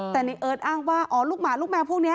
แต่ในเอิร์ทอ้างว่าอ๋อลูกหมาลูกแมวพวกนี้